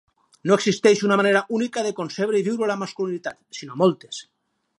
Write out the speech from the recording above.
No existeix una manera única de concebre i viure la masculinitat, sinó moltes.